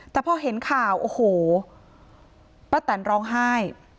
แต่พอเห็นข่าวโอ้โหป้าแตนร้องไห้